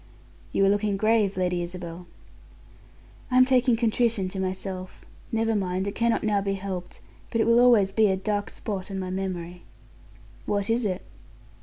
"You are looking grave, Lady Isabel." "I'm taking contrition to myself. Never mind, it cannot now be helped, but it will always be a dark spot on my memory." "What is it?"